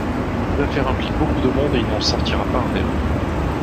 L'affaire implique beaucoup de monde et il n'en sortira pas indemne.